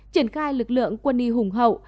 triển khai lực lượng quân y hùng hậu